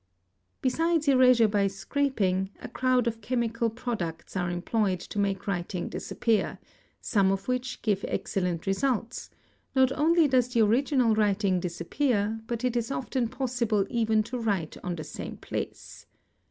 Besides erasure by scraping, a crowd of chemical products are employed to make writing disappear, some of which give excellent results; not only does the original writing disappear but it is often possible even to write on the same place.